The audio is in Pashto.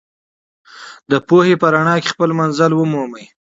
د پوهې په رڼا کې خپل منزل ومومئ.